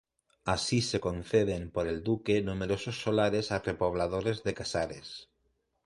Así, se conceden por el duque numerosos solares a repobladores de Casares.